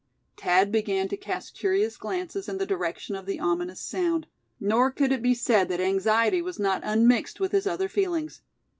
Thad began to cast curious glances in the direction of the ominous sound; nor could it be said that anxiety was not unmixed with his other feelings.